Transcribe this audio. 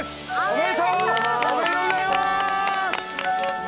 おめでとうございます！